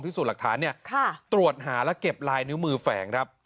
พิสูจน์หลักฐานเนี่ยตรวจหาและเก็บลายนิ้วมือแฝงครับ